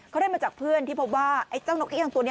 เขาได้มาจากเพื่อนที่พบว่าไอ้เจ้านกเอี่ยงตัวนี้